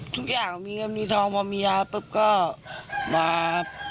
ทุกอย่างมีเงินมีทองพอมียาปุ๊บก็มา